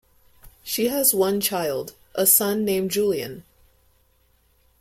She has one child, a son named Julian.